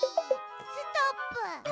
ストップ。